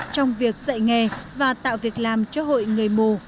trong việc dạy nghề và tạo việc làm cho hội người mù